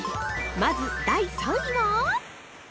まず第３位は！